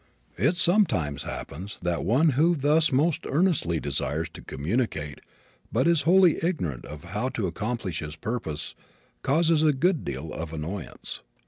It sometimes happens that one who thus most earnestly desires to communicate but is wholly ignorant of how to accomplish his purpose causes a good deal of annoyance.